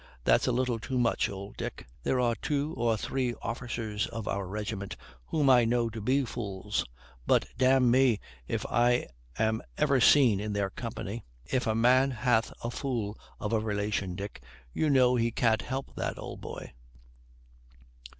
That's a little too much, old Dick. There are two or three officers of our regiment whom I know to be fools; but d n me if I am ever seen in their company. If a man hath a fool of a relation, Dick, you know he can't help that, old boy."